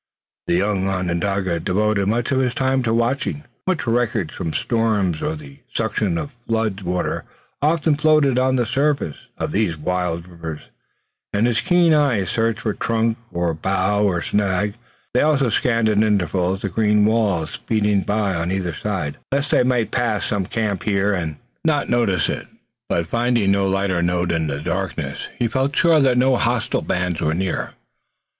The young Onondaga devoted most of his time to watching. Much wreckage from storms or the suction of flood water often floated on the surface of these wild rivers, and his keen eyes searched for trunk or bough or snag. They also scanned at intervals the green walls speeding by on either side, lest they might pass some camp fire and not notice it, but finding no lighter note in the darkness he felt sure that no hostile bands were near.